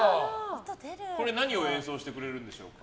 これは何を演奏してくれるんでしょうか？